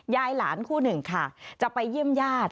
ยายหลานคู่หนึ่งค่ะจะไปเยี่ยมญาติ